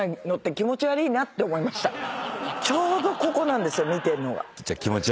ちょうどここなんですよ見てんのが。